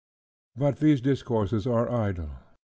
" But these discourses are idle.